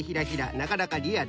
なかなかリアル。